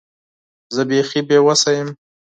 زه بیخي بې وسه یم .